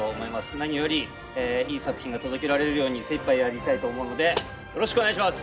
何よりいい作品が届けられるように精いっぱいやりたいと思うのでよろしくお願いします。